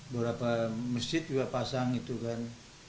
beberapa masjid juga pasang itu kan